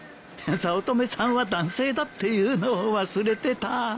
早乙女さんは男性だって言うのを忘れてた。